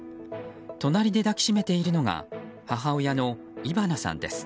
隣で抱きしめているのが母親のイバナさんです。